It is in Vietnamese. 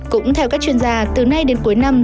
cũng theo các chuyên gia từ nay đến cuối năm